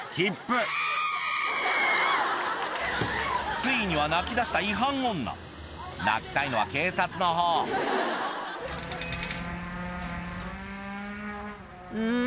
ついには泣き出した違反女泣きたいのは警察の方ん？